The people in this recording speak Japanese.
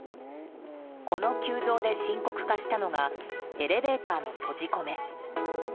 この急増で深刻化したのはエレベーターの閉じ込め。